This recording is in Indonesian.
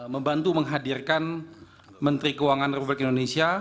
membantu menghadirkan menteri keuangan republik indonesia